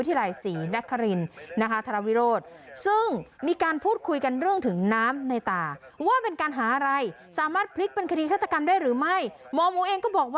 ถ้าเกิดบาดแผลเลือดมันก็ไหลออกหมดมันไม่เป็นข้อนหรอก